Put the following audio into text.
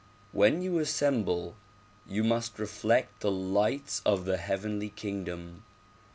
When you assemble you must reflect the lights of the heavenly kingdom.